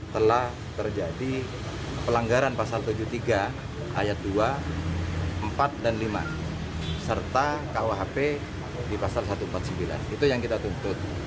telah terjadi pelanggaran pasal tujuh puluh tiga ayat dua empat dan lima serta kuhp di pasal satu ratus empat puluh sembilan itu yang kita tuntut